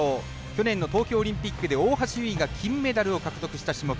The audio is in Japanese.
去年の東京オリンピックで大橋悠依が金メダルを獲得した種目。